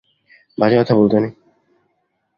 বাজে কথা বলতে নেই।